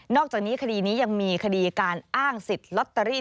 อกจากนี้คดีนี้ยังมีคดีการอ้างสิทธิ์ลอตเตอรี่